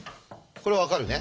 これ分かるね？